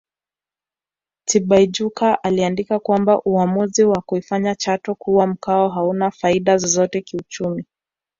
Tibaijuka aliandika kwamba uamuzi wa kuifanya Chato kuwa mkoa hauna faida zozote kiuchumi